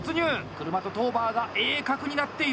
車とトーバーが鋭角になっている。